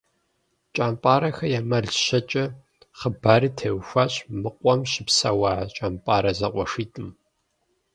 «КӀэмпӀарэхэ я мэл щэкӀэ» хъыбарри теухуащ мы къуэм щыпсэуа КӀэмпӀарэ зэкъуэшитӀым.